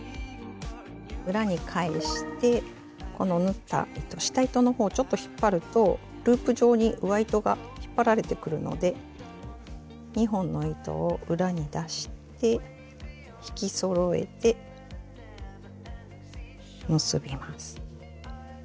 裏に返してこの縫った糸下糸の方をちょっと引っ張るとループ状に上糸が引っ張られてくるので２本の糸を裏に出して引きそろえて結びます。